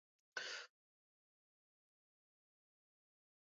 غول د ځوابونو دروازه ده.